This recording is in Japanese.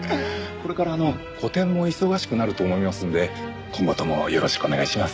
これから個展も忙しくなると思いますので今後ともよろしくお願いします。